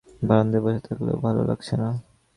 বারান্দায় বসে থাকতেও ভালো লাগছে না।